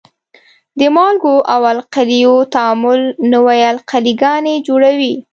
د مالګو او القلیو تعامل نوې القلي ګانې جوړوي.